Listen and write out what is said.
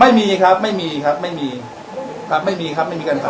ไม่มีครับไม่มีครับไม่มีครับไม่มีครับไม่มีการทำ